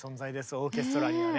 オーケストラにはね。